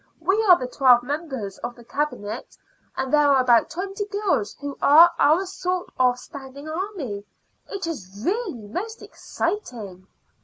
We are the twelve members of the Cabinet, and there are about twenty girls who are our sort of standing army. It is really most exciting."